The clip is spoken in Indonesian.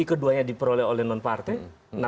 jadi keduanya diperoleh oleh nonparten